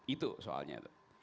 itu soalnya tuh